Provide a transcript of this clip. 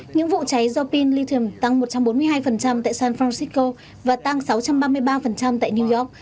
những vụ cháy do pin lithium tăng một trăm bốn mươi hai tại san francisco và tăng sáu trăm ba mươi ba tại new york